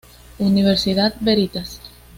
Universidad Veritas.